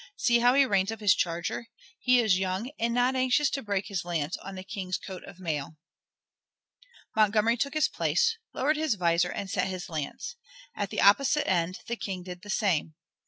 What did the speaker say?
"See how he reins up his charger. He is young, and not anxious to break his lance on the King's coat of mail." Montgomery took his place, lowered his visor, and set his lance. At the opposite end the King did the same.